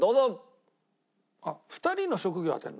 ２人の職業当てるの？